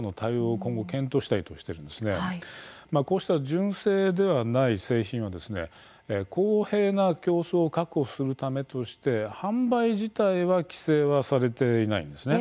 今後、こうした純正ではない製品は公平な競争確保のためとして販売自体は規制されていないんですね。